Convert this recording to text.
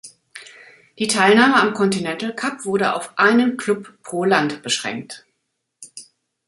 Die Teilnahme am Continental Cup wurde auf einen Club pro Land beschränkt.